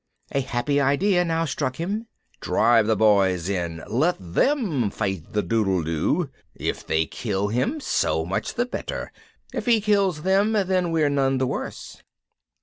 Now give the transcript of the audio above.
A happy idea now struck him. "Drive the Boys in let them fight the doodledoo if they kill him so much the better, if he kills them we're none the worse."